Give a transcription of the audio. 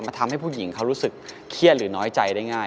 ทำให้ผู้หญิงเขารู้สึกเครียดหรือน้อยใจได้ง่าย